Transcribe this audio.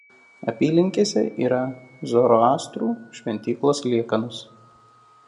Apylinkėse yra zoroastrų šventyklos liekanos.